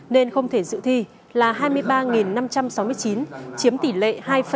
nên không thể dự thi là hai mươi ba năm trăm sáu mươi chín chiếm tỷ lệ hai ba mươi một